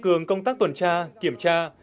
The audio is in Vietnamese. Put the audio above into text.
công tác tuần tra kiểm tra